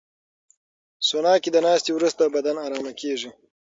سونا کې د ناستې وروسته بدن ارامه کېږي.